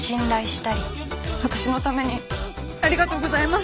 私のためにありがとうございます。